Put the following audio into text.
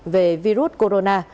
về virus corona